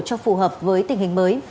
cho phù hợp với tình hình mới